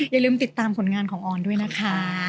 อย่าลืมติดตามผลงานของออนด้วยนะคะ